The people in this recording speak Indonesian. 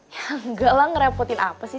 enggak lah ngerepotin apa sih